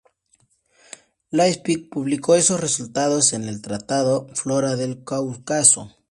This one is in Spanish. Lipsky publica esos resultados en el tratado "Flora del Cáucaso.